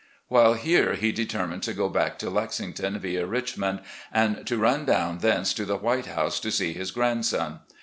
While here he determined to go back to Lexington via Richmond, and to run down thence to the " White House " to see his grandson.